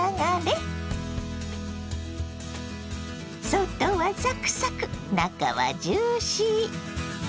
外はサクサク中はジューシー！